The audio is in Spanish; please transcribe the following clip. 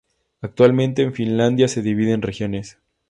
Actualmente Finlandia se divide en regiones.